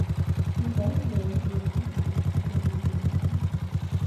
His wife, Liz, is a mathematics teacher and examiner.